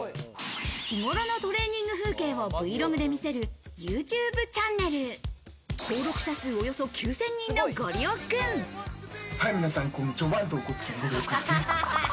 日頃のトレーニング風景をＶログで見せるＹｏｕＴｕｂｅチャンネル、登録者数、およそ９０００人のごりおくん。